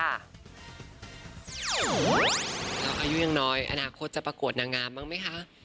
อายุยังน้อยอนาคตจะประกวดนางงามบ้างไหมคะ